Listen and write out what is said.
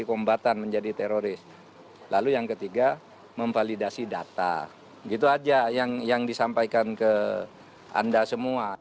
untuk memastikan ke anda semua